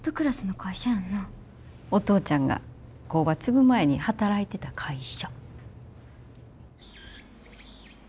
お父ちゃんが工場継ぐ前に働いてた会社。